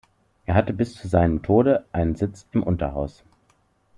Er hatte bis zu seinem Tode einen Sitz im Unterhaus.